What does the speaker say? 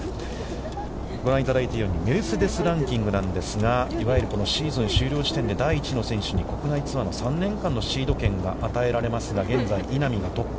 ご覧いただいているようにメルセデス・ランキングなんですがいわゆるシーズン終了時点で第１位の選手に国内ツアーの３年間のシード権が与えられますが、現在稲見がトップ。